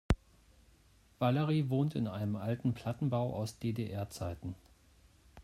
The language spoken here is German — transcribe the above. Valerie wohnt in einem alten Plattenbau aus DDR-Zeiten.